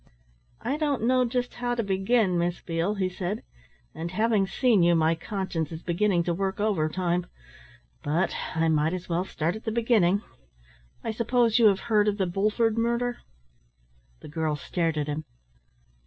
"I don't just know how to begin, Miss Beale," he said. "And having seen you, my conscience is beginning to work overtime. But I might as well start at the beginning. I suppose you have heard of the Bulford murder?" The girl stared at him.